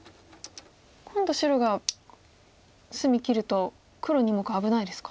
今度白が隅切ると黒２目危ないですか。